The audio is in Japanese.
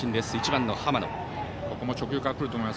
１番の浜野。